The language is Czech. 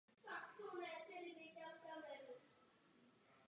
Zaměstnanec na stavbě by mohl být obětí obchodování s lidmi.